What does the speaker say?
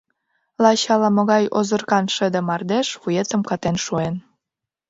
Лач ала-могай озыркан шыде мардеж вуетым катен шуэн.